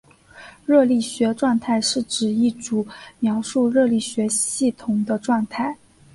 热力学状态是指一组描述热力学系统的状态。